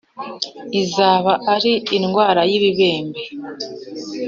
izaba ari indwara y ibibembe